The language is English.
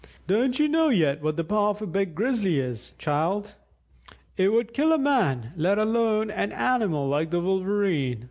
"Don't you know yet what the paw of a big Grizzly is, child? It would kill a man, let alone an animal like the Wolverene.